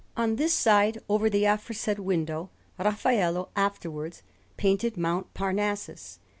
On this side, over the aforesaid window, Raffaello afterwards painted Mount Parnassus.